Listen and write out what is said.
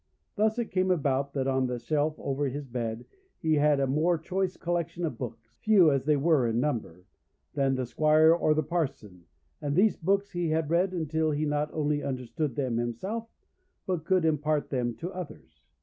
Thus it came about that on the shelf over his bed he had a more choice collection of books few as they were in number than the squire or the parson, and these books he had read until he not only understood them himself, but could impart them to others.